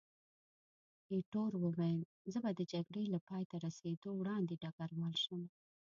ایټور وویل، زه به د جګړې له پایته رسېدو وړاندې ډګروال شم.